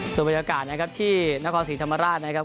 ส่วนบรรยากาศนะครับที่นครศรีธรรมราชนะครับ